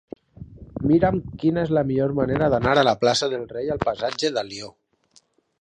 Mira'm quina és la millor manera d'anar de la plaça del Rei al passatge d'Alió.